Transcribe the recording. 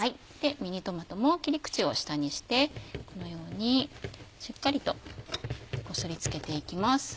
ミニトマトも切り口を下にしてこのようにしっかりとこすりつけていきます。